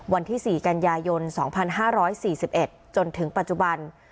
วันที่๔กันยายน๒๕๔๑จนถึงปัจจุบัน